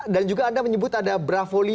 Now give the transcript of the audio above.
dan juga anda menyebut ada bravo lima